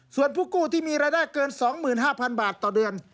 ส่วนผู้กู้ที่มีรายได้เกิน๒๕๐๐๐บาทต่อเดือน